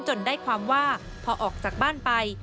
ได้ความว่าพอออกจากบ้านไป